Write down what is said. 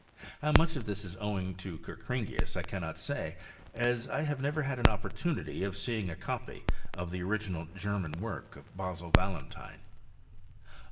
Ham' much of this is owing to Kerkringius I cannot say, w6 I have never had an opportunity of seeing a copy dfi the original German work of Basil Valentine.